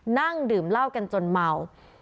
นั่งดื่มเหล้ากันจนเมา